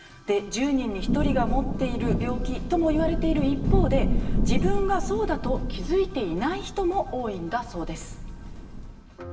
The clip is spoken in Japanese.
１０人に１人が持っている病気とも言われている一方で自分がそうだと気付いていない人も多いんだそうです。